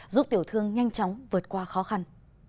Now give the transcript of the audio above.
giúp tiểu thương nhanh chóng vượt qua khó khăn